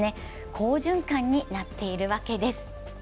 好循環になっているわけです。